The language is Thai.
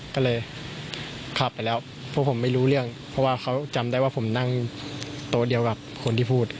ก็เลยขับไปแล้วพวกผมไม่รู้เรื่องเพราะว่าเขาจำได้ว่าผมนั่งโต๊ะเดียวกับคนที่พูด